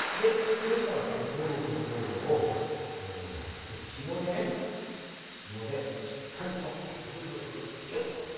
そうしたらここのところをこうやってひもでねひもでしっかりとぐるぐるぐるギュッ。